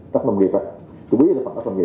tắt nông nghiệp